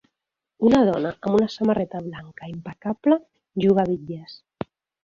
Una dona amb una samarreta blanca impecable juga a bitlles.